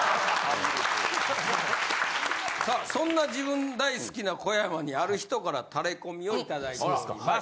さあそんな自分大好きな小山にある人からタレコミをいただいております。